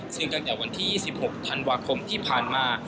ซึ่งตั้งแต่วันที่๒๖ธันวาคมที่ผ่านมา